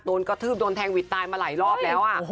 โดนก็ทืบโดนแทงวิทย์ตายมาหลายรอบแล้วอ่ะ